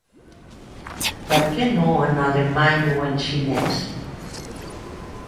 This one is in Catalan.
Per què no en alemany o en xinès?